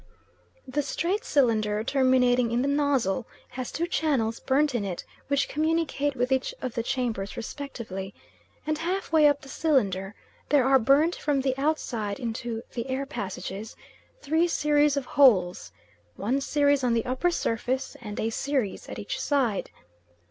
The straight cylinder, terminating in the nozzle, has two channels burnt in it which communicate with each of the chambers respectively, and half way up the cylinder, there are burnt from the outside into the air passages, three series of holes, one series on the upper surface, and a series at each side.